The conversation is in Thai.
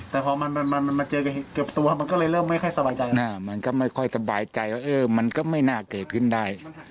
แต่พอมันมาเจอเกือบตัวมันก็เลยเริ่มไม่ค่อยสบายใจมันก็ไม่ค่อยสบายใจว่าเออมันก็ไม่น่าเกิดขึ้นได้